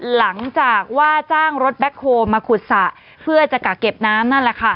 หลังจากว่าจ้างรถแบ็คโฮลมาขุดสระเพื่อจะกักเก็บน้ำนั่นแหละค่ะ